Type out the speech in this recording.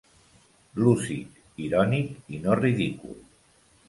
Lúcid, irònic, i no ridicul.